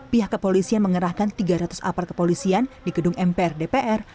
pihak kepolisian mengerahkan tiga ratus apart kepolisian di gedung mpr dpr